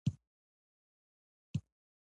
وخت تيريږي مګر په چا ښه او په چا بد.